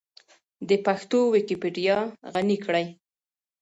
د پښتو ويکيپېډيا غني کړئ.